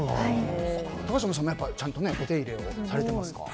高嶋さん、ちゃんとお手入れをされていますか？